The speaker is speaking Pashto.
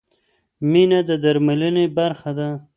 مینه د درملنې برخه ده.